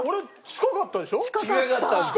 近かったでしょ？